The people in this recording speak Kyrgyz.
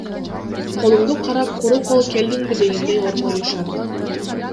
Колумду карап, куру кол келдиңби дегендей ормоюшат.